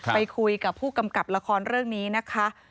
ไปคุยกับผู้กำกับละครเรื่องนี้นะคะ